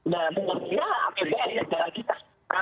nah dengan apbn negara kita